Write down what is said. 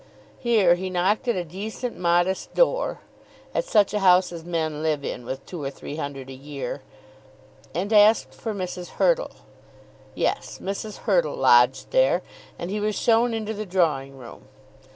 Here he knocked at a decent, modest door, at such a house as men live in with two or three hundred a year, and asked for Mrs. Hurtle. Yes; Mrs. Hurtle lodged there, and he was shown into the drawing room.